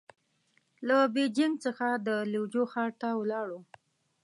له بېجينګ څخه د ليوجو ښار ته ولاړو.